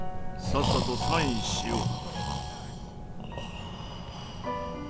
さっさとサインしよう！」。